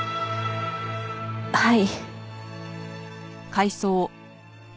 はい。